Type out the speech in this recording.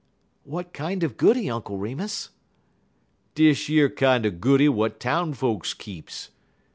"What kind of goody, Uncle Remus?" "Dish yer kinder goody w'at town folks keeps.